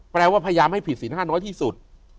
แปลว่าพยายามให้ผิดศีล๕น้อยที่สุด